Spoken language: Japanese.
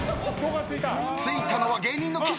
ついたのは芸人の岸。